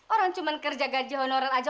orang cuman kerja gaji honoran aja